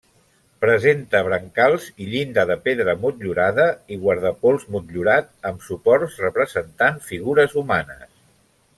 Presenta brancals i llinda de pedra motllurada i guardapols motllurat amb suports representant figures humanes.